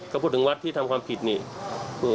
ก็พูดถึงวัดที่ทำความผิดนี่